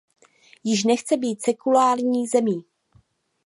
Již nechce být sekulární zemí.